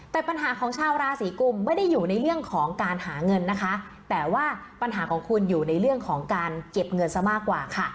แต่ปัญหาของชาวราศีกุมไม่ได้อยู่ในเรื่องของการหาเงินนะคะแต่ว่าปัญหาของคุณอยู่ในเรื่องของการเก็บเงินซะมากกว่าค่ะ